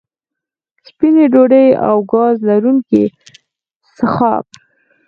سپینې ډوډۍ او ګاز لرونکي څښاک